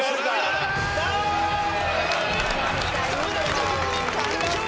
ジャパン日本代表